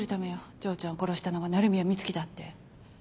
丈ちゃんを殺したのが鳴宮美月だって。